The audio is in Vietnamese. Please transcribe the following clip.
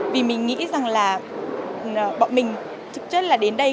vì mình nghĩ rằng là bọn mình thực chất là đến đây